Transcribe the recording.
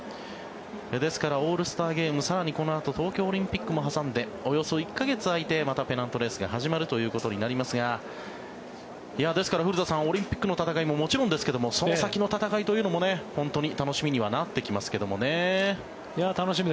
ですから、オールスターゲーム更にこのあと東京オリンピックも挟んでおよそ１か月空いてまたペナントレースが始まるということになりますがですから、古田さんオリンピックの戦いももちろんですけどもその先の戦いも本当に楽しみになってきますけどね。